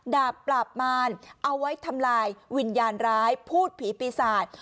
ดาบปราบมารเอาไว้ทำลายวิญญาณร้ายพูดผีปีศาจ